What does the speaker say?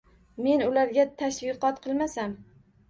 Men ularga tashviqot qilmasam.